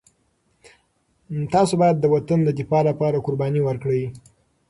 تاسو باید د وطن د دفاع لپاره قرباني ورکړئ.